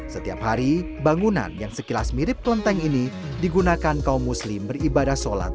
setiap hari bangunan yang sekilas mirip kelenteng ini digunakan kaum muslim beribadah sholat